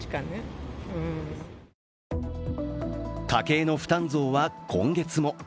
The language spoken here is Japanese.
家計の負担増は今月も。